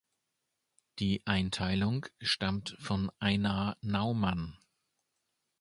Die Einteilung stammt von Einar Naumann.